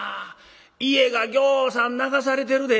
家がぎょうさん流されてるで」。